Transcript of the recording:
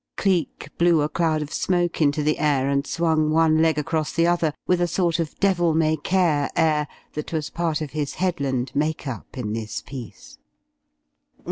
Cleek blew a cloud of smoke into the air and swung one leg across the other with a sort of devil may care air that was part of his Headland make up in this piece.